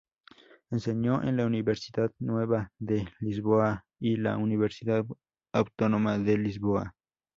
Enseñó en la Universidad Nueva de Lisboa y la Universidad Autónoma de Lisboa.